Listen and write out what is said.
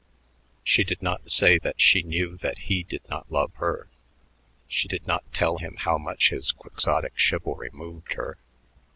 She did not say that she knew that he did not love her; she did not tell him how much his quixotic chivalry moved her.